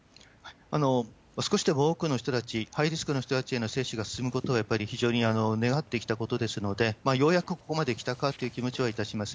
少しでも多くの人たち、ハイリスクの人たちへの接種が進むことをやっぱり非常に願ってきたことですので、ようやくここまで来たかという気持ちはいたします。